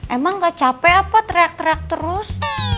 emang gak capek apa teriak teriak terus